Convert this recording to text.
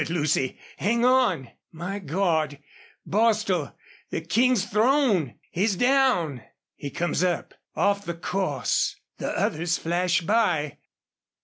Good, Lucy! Hang on! ... My Gawd, Bostil, the King's thrown! He's down! ... He comes up, off the course. The others flash by....